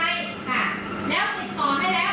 เพราะฉะนั้นเนี่ยเอ็กเทศจะถาม